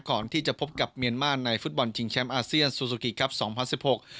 ก่อนที่จะพบกับเมียนมาร์ในฟุตบอลชิงแชมป์อาเซียนซูซูกิครับสองพันสิบหก